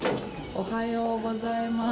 おはようございます。